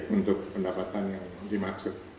untuk pendapatan yang dimaksud